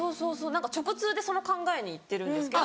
何か直通でその考えにいってるんですけど。